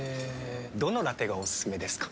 どのラテがおすすめですか？